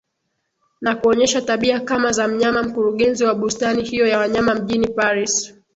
na kuonyesha tabia kama za mnyama mkurugenzi wa bustani hiyo ya wanyama mjini Paris